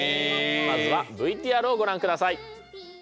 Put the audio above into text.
まずはＶＴＲをご覧ください。